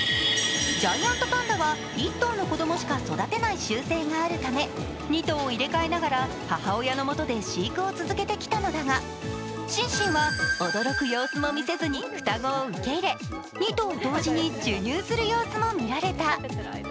ジャイアントパンダは１頭の子供しか育てない習性があるため２頭を入れ替えながら母親の下で飼育を続けてきたのだがシンシンは驚く様子も見せずに双子を受け入れ２頭同時に授乳する様子も見られた。